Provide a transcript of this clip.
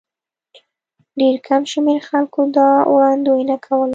ډېر کم شمېر خلکو دا وړاندوینه کوله.